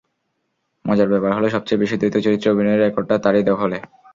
মজার ব্যাপার হলো, সবচেয়ে বেশি দ্বৈত চরিত্রে অভিনয়ের রেকর্ডটা তাঁরই দখলে।